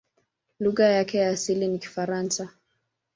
Lugha yake ya asili ni Kifaransa.